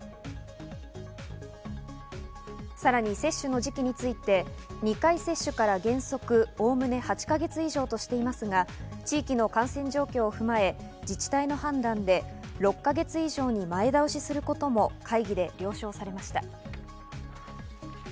さらに接種の時期について、２回目の接種から原則おおむね８か月以上としていますが、地域の感染状況を踏まえ、自治体の判断で６か月以上に前倒しすることも会議で了承されました。